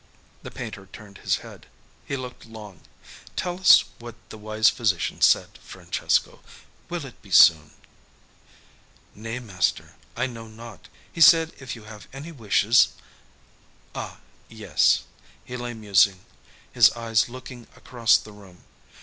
The painter turned his head. He looked long. "Tell us what the wise physician said, Francesco. Will it be soon?" "Nay, master, I know not. He said if you have any wishes " "Ah, yes." He lay musing, his eyes looking across the room.